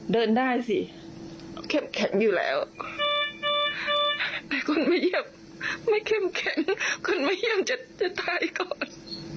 เดินได้สิแค่แข็งอยู่แล้วแต่คนไม่เยี่ยมไม่แข็งแข็งคนไม่เยี่ยมจะจะตายก่อน